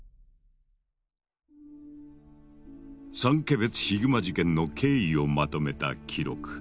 三毛別ヒグマ事件の経緯をまとめた記録。